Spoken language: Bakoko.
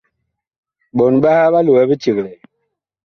Ɓɔɔn ɓaha ɓa loɛ biceglɛɛ.